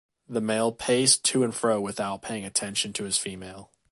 The male paced to and fro without paying attention to his female.